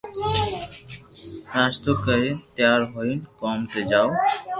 ناݾتو ڪرين تيار ھوئين ڪوم تي جاوُث